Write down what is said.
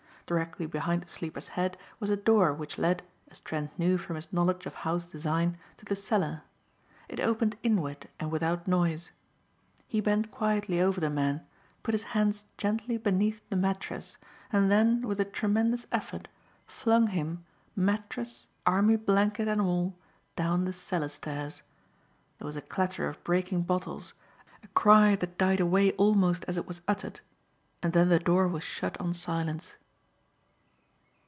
Directly behind the sleeper's head was a door which led, as Trent knew from his knowledge of house design, to the cellar. It opened inward and without noise. He bent quietly over the man, put his hands gently beneath the mattress and then with a tremendous effort flung him, mattress, army blanket and all, down the cellar stairs. There was a clatter of breaking bottles, a cry that died away almost as it was uttered, and then the door was shut on silence.